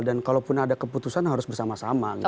dan kalaupun ada keputusan harus bersama sama gitu